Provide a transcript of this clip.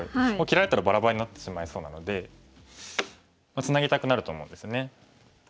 切られたらばらばらになってしまいそうなのでツナぎたくなると思うんですね。